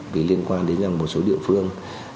vì liên quan đến một số địa phương